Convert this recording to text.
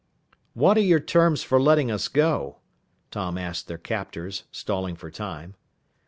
"What are your terms for letting us go?" Tom asked their captors, stalling for time.